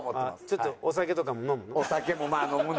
ちょっとお酒とかも飲む？